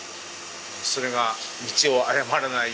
それが道を誤らないように。